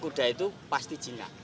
kuda itu pasti jinak